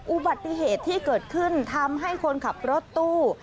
อุบัติเหตุที่เกิดขึ้นทำให้คนขับรถตู้